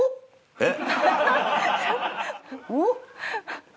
えっ！